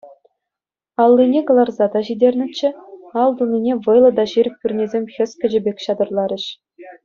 Аллине кӑларса та ҫитернӗччӗ, ал тунине вӑйлӑ та ҫирӗп пӳрнесем хӗскӗчӗ пек ҫатӑрларӗҫ.